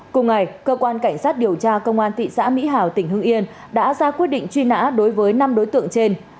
cùng ngày cơ quan cảnh sát điều tra công an thị xã mỹ hào tỉnh hưng yên đã ra quyết định truy nã đối với năm đối tượng trên